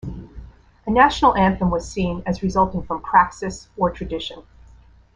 A national anthem was seen as resulting from praxis or tradition.